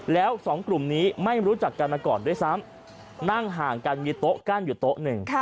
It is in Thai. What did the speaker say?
แล้วสองกลุ่มนี้ไม่รู้จักกันมาก่อนด้วยซ้ำนั่งห่างกันมีโต๊ะกั้นอยู่โต๊ะหนึ่ง